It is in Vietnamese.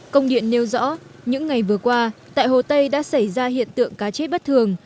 công điện nêu rõ những ngày vừa qua tại hồ tây đã xảy ra hiện tượng cá chết bất thường